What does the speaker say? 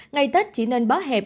ngày tết chỉ nên bó hẹp